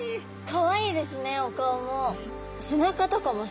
かわいいですねお顔も。